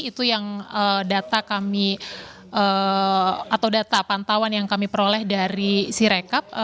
itu yang data kami atau data pantauan yang kami peroleh dari sirekap